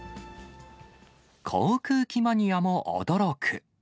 航空機マニアも驚く。